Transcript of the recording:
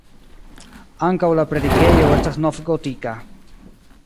Ankaŭ la predikejo estas novgotika.